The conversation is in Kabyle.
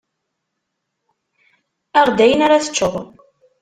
Aɣ-d ayen ara teččeḍ.